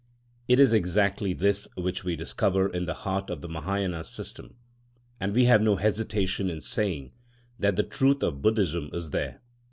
It is exactly this which we discover in the heart of the Mahâyâna system; and we have no hesitation in saying that the truth of Buddhism is there.